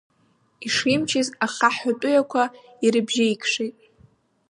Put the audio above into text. Ишимчыз ахаҳә атәыҩақәа ирыбжьеикшеит.